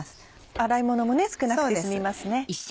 洗い物も少なくて済みますね。